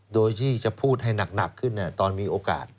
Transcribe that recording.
โดยที่จะพูดให้หนักขึ้นตอนมีโอกาส